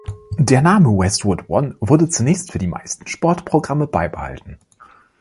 Der Name Westwood One wurde zunächst für die meisten Sportprogramme beibehalten.